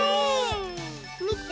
みて。